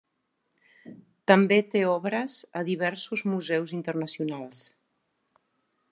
També té obres a diversos museus internacionals.